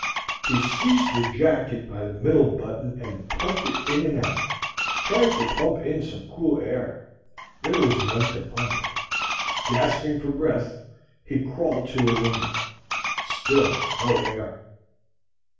He seized the jacket by the middle button and pumped it in and out, trying to pump in some cool air. There was none to pump. Gasping for breath, he crawled to a window. Still no air.